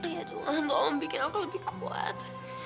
ya tuhan tolong bikin aku lebih kuat